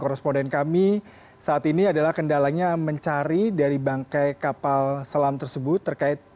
korresponden kami saat ini adalah kendalanya mencari dari bangkai kapal selam tersebut terkait